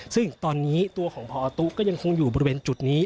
ซึ่งตอนนี้ตัวของพอตุ๊ก็ยังคงอยู่บริเวณจุดนี้